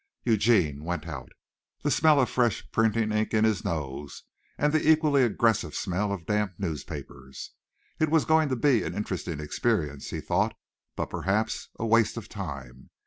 Eugene went out, the smell of fresh printing ink in his nose, and the equally aggressive smell of damp newspapers. It was going to be an interesting experience, he thought, but perhaps a waste of time.